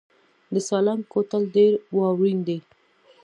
د سالنګ کوتل ډیر واورین دی